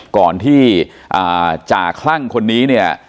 ก่อนที่จ่าคลั่งคนนี้เนี่ย